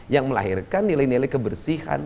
yang melahirkan nilai nilai kebersihan